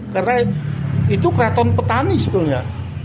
karena itu keraton petani sebetulnya